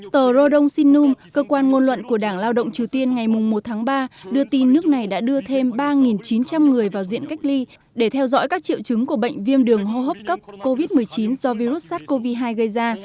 tờ rodong sinum cơ quan ngôn luận của đảng lao động triều tiên ngày một tháng ba đưa tin nước này đã đưa thêm ba chín trăm linh người vào diện cách ly để theo dõi các triệu chứng của bệnh viêm đường hô hấp cấp covid một mươi chín do virus sars cov hai gây ra